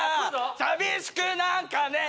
寂しくなんかねぇ！！」